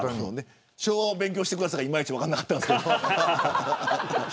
昭和を勉強してくださいはいまいち分からなかったんですけど。